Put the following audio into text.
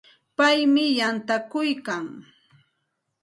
Paymi yantakuykan.